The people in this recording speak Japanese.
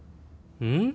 うん？